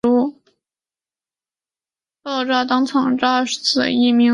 爆炸当场炸死一名儿童和一名保安。